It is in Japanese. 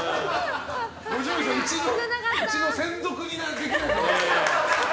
五条院さんうちの専属にできないかな。